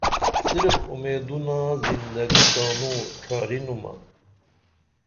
صرف اُمیدونا زندگی تانوں ڇھارینُمہ